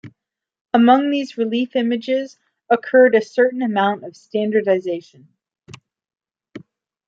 Among these relief images occurred a certain amount of standardization.